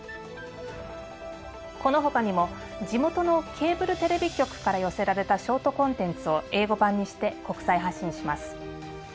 この他にも地元のケーブルテレビ局から寄せられたショートコンテンツを英語版にして国際発信します。